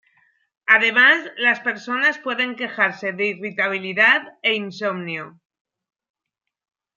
Además, las personas pueden quejarse de irritabilidad e insomnio.